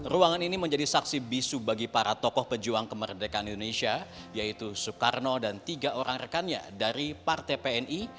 ruangan ini menjadi saksi bisu bagi para tokoh pejuang kemerdekaan indonesia yaitu soekarno dan tiga orang rekannya dari partai pni